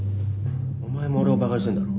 お前も俺をバカにしてんだろ？